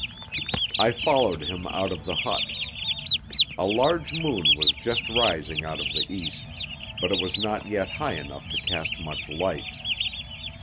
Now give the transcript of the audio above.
I followed him out of the hut. A large moon was just rising out of the east, but it was not yet high enough to cast much light.